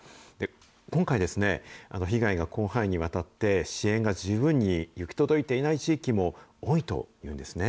今回、被害が広範囲にわたって支援が十分に行き届いていない地域も多いというんですね。